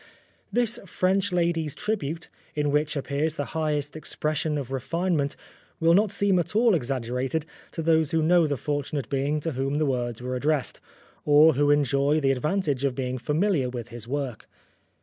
This French lady's tribute, in which ap pears the highest expression of refinement, will not seem at all exaggerated to those who know the fortunate being to whom the 258 Oscar Wilde words were addressed, or who enjoy the advantage of being familiar with his work.